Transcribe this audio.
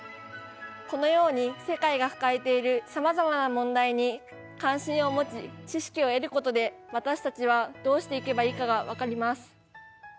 このように世界が抱えているさまざまな問題に関心を持ち知識を得ることで私たちはどうしていけばいいかが分かります。